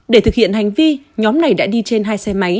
để thực hiện hành vi nhóm này đã đi trên hai xe máy